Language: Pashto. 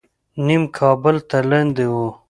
نیم کابل تر لاندې و.